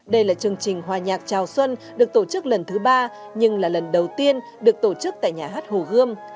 đây là chương trình hòa nhạc chào xuân được tổ chức lần thứ ba nhưng là lần đầu tiên được tổ chức tại nhà hát hồ gươm